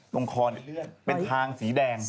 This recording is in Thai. ทุก๑๕วันต้องมีทาง